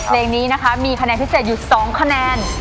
เพลงนี้นะคะมีคะแนนพิเศษอยู่๒คะแนน